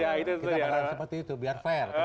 kita berharap seperti itu biar fair